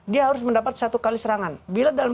dia harus mendapat satu kali serangan bila dalam